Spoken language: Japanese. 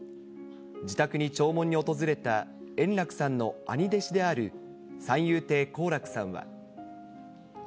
自宅に弔問に訪れた円楽さんの兄弟子である三遊亭好楽さんは。